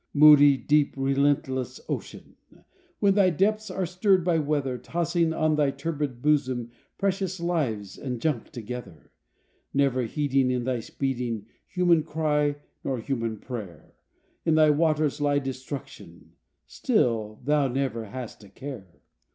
Moody, deep, relentless ocean! When thy depths are stirred by weather, Tossing on thy turbid bosom, Precious lives and junk together. Never heeding in thy speeding, Human cry nor human prayer, In thy waters lie destruction, Still thou never hast a care.